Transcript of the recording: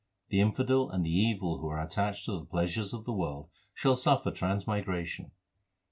The infidel and the evil who are attached to the pleasures of the world shall suffer transmigration.